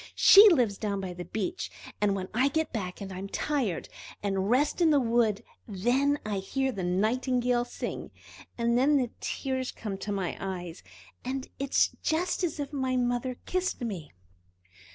She lives down by the beach, and when I get back and am tired, and rest in the wood, then I hear the Nightingale sing. And then the tears come into my eyes, and it is just as if my mother kissed me!"